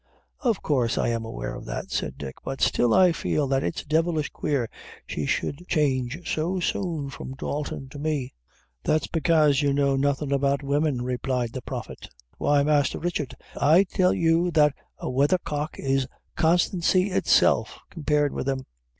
"Of course I am aware of that," said Dick; "but still I feel that it's devilish queer she should change so soon from Dalton to me." "That's bekaise you know nothing about women," replied the Prophet. "Why, Masther Richard, I tell you that a weathercock is constancy itself compared with them.